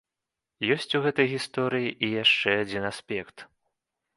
Ёсць у гэтай гісторыі і яшчэ адзін аспект.